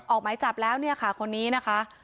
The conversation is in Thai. ออกหมายจับแล้วเนี่ยค่ะคนนี้นะคะ